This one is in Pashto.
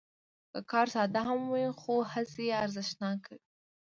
که کار ساده هم وي، خو هڅې یې ارزښتناکوي.